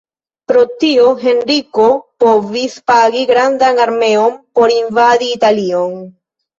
Pro tio Henriko povis pagi grandan armeon por invadi Italion.